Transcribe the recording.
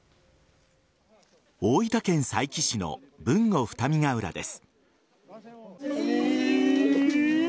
大分県佐伯市の豊後二見ヶ浦です。